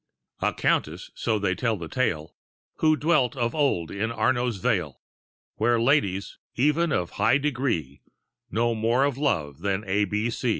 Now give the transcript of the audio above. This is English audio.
A Countess (so they tell the tale) Who dwelt of old in Arno's vale, Where ladies, even of high degree, Know more of love than of A.B.